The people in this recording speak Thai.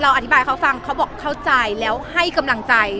อธิบายเขาฟังเขาบอกเข้าใจแล้วให้กำลังใจ